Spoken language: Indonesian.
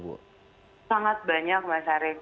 sangat banyak mas arief